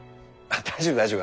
大丈夫大丈夫。